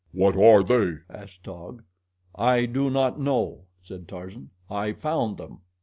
"What are they?" asked Taug. "I do not know," said Tarzan. "I found them."